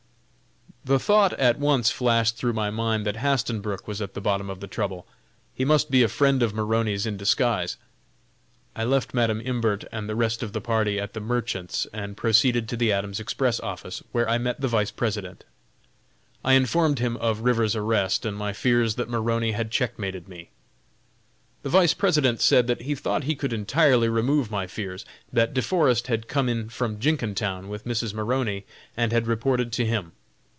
The thought at once flashed through my mind that Hastenbrook was at the bottom of the trouble. He must be a friend of Maroney's in disguise. I left Madam Imbert and the rest of the party at the Merchants' and proceeded to the Adams Express Office, where I met the Vice President. I informed him of Rivers's arrest, and my fears that Maroney had checkmated me. The Vice President said that he thought he could entirely remove my fears; that De Forest had come in from Jenkintown with Mrs. Maroney, and had reported to him.